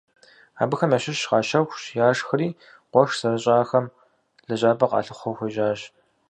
Абыхэм ящыщ къащэхущ, яшхри къуэш зэрыщӏахэм лэжьапӏэ къалъыхъуэу хуежьащ.